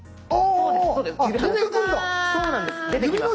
そうなんです。